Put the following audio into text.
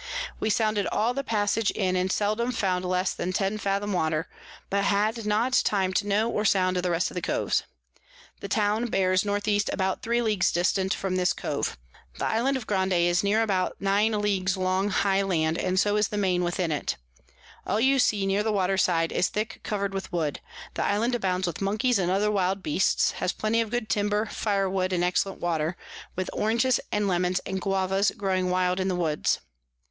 We sounded all the Passage in, and seldom found less than ten Fathom Water, but had not time to know or sound the rest of the Coves. The Town bears N E. about 3 Ls. dist. from this Cove. The Island of Grande is near about 9 Ls. long high Land, and so is the Main within it. All you see near the Water side is thick covered with Wood. The Island abounds with Monkeys and other wild Beasts, has plenty of good Timber, Fire wood, and excellent Water, with Oranges and Lemons, and Guavas growing wild in the Woods.